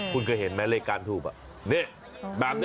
คุณเคยเห็นไหมเลขการทูบแบบนี้